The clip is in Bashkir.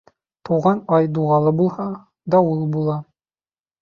Тыуған ай дуғалы булһа, дауыл була.